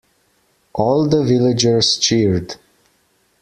All the villagers cheered.